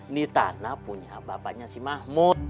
ini tanah punya bapaknya si mahmud